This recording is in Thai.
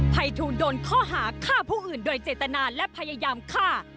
ภัยทูลโดนข้อหาฆ่าผู้อื่นโดยเจตนาและพยายามฆ่า